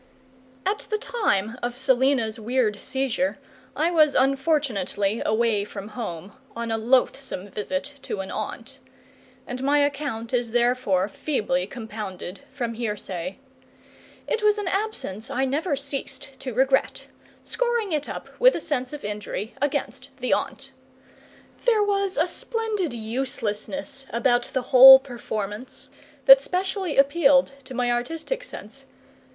At the time of Selina's weird seizure I was unfortunately away from home, on a loathsome visit to an aunt; and my account is therefore feebly compounded from hearsay. It was an absence I never ceased to regret scoring it up, with a sense of injury, against the aunt. There was a splendid uselessness about the whole performance that specially appealed to my artistic sense.